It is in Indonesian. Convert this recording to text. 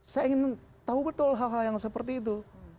saya ingin tahu betul hal hal yang seperti itu